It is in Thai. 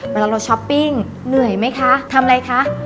เวลาเราช้อปปิ้งเหนื่อยไหมคะทำอะไรคะ